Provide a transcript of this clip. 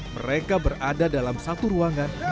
mereka berada dalam satu ruangan di lantai dua